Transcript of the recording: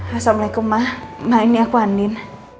assalamualaikum ma ma ini aku andin